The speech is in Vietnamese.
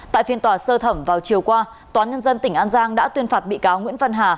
tại phiên tòa sơ thẩm vào chiều qua tòa nhân dân tỉnh an giang đã tuyên phạt bị cáo nguyễn văn hà